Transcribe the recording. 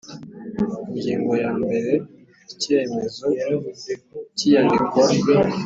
Ingingo ya mbere Igihe icyemezo cy iyandikwa